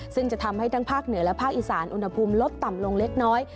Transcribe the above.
ซึ่งจะทำให้ทั้งภาคเหนือและภาคอีสานอุณหภูมิลดต่ำลงเล็กน้อย